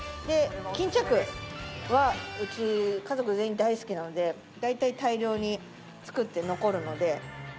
で巾着はうち家族全員大好きなので大体大量に作って残るので。